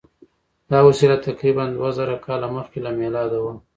دا وسیله تقریبآ دوه زره کاله مخکې له میلاده وه.